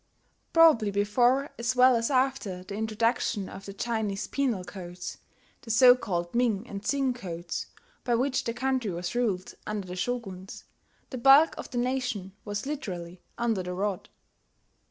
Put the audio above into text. Probably before as well as after the introduction of the Chinese penal codes, the so called Ming and Tsing codes, by which the country was ruled under the Shoguns, the bulk of the nation was literally under the rod.